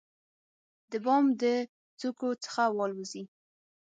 د بام د څوکو څخه والوزي،